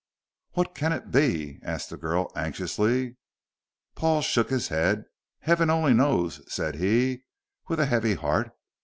"What can it be?" asked the girl anxiously. Paul shook his head. "Heaven only knows," said he, with a heavy heart.